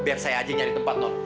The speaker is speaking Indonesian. biar saya aja yang cari tempat non